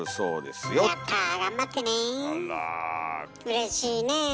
うれしいねえ。